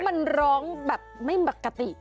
มันร้องแบบไม่ปกติ